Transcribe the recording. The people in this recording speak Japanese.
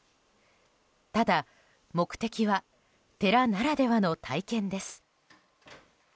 ただ、目的は寺ならではの体験です。